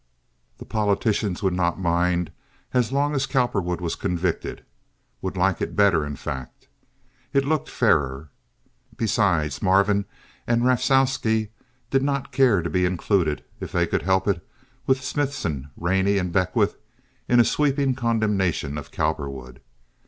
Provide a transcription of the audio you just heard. The politicians would not mind as long as Cowperwood was convicted—would like it better, in fact. It looked fairer. Besides, Marvin and Rafalsky did not care to be included, if they could help it, with Smithson, Rainey, and Beckwith in a sweeping condemnation of Cowperwood.